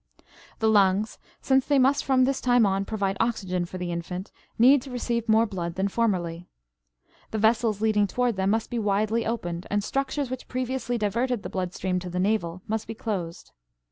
The lungs, since they must from this time on provide oxygen for the infant, need to receive more blood than formerly. The vessels leading toward them must be widely opened, and structures which previously diverted the blood stream to the navel must be closed.